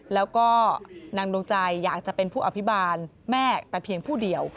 แล้วก็นางดวงใจอยากจะเป็นผู้อภิบาลแม่แต่เพียงผู้เดียว